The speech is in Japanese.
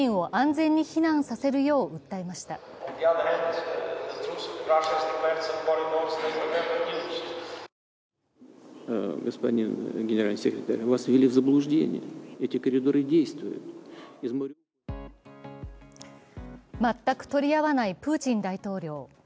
全く取り合わないプーチン大統領。